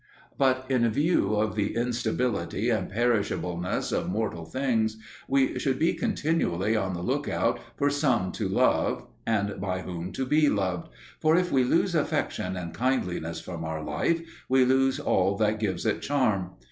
But in view of the instability and perishableness of mortal things, we should be continually on the look out for some to love and by whom to be loved; for if we lose affection and kindliness from our life, we lose all that gives it charm.